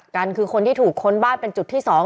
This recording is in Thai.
กันที่ถูกคนบ้านเป็นจุดที่สอง